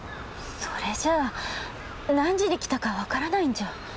それじゃあ何時に来たかわからないんじゃ？